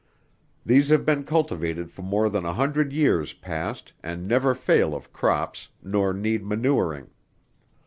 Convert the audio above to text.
These have been cultivated for more than a hundred years past, and never fail of crops, nor need manuring.